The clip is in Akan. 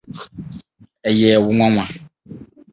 Ɛyɛɛ wo nwonwa?